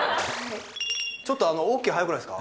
ちょっとＯＫ早くないですか？